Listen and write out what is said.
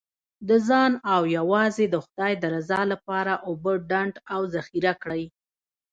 د ځان او یوازې د خدای د رضا لپاره اوبه ډنډ او ذخیره کړئ.